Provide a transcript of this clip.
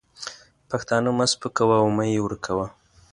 پښتانه مه سپکوه او مه یې ورکوه.